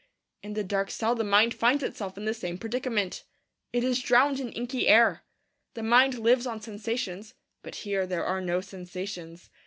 In the dark cell the mind finds itself in the same predicament. It is drowned in inky air. The mind lives on sensations; but here there are no sensations.